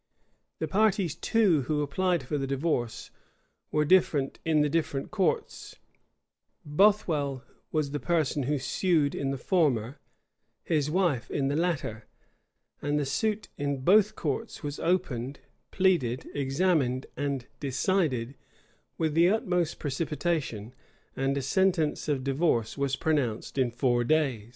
The parties, too, who applied for the divorce, were different in the different courts: Bothwell was the person who sued in the former; his wife in the latter. And the suit in both courts was opened, pleaded, examined, and decided, with the utmost precipitation; and a sentence of divorce was pronounced in four days.